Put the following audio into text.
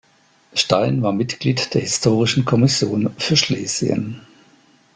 Stein war Mitglied der Historischen Kommission für Schlesien.